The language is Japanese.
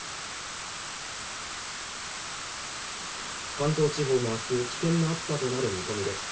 関東地方も明日、危険な暑さとなる見込みです。